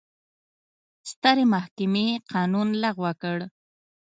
سترې محکمې قانون لغوه کړ.